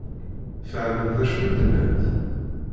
Fehmen d acu i d-nnant?